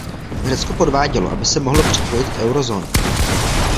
Řecko podvádělo, aby se mohlo připojit k eurozóně.